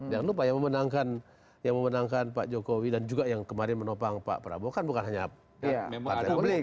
jangan lupa yang memenangkan yang memenangkan pak jokowi dan juga yang kemarin menopang pak prabowo kan bukan hanya partai politik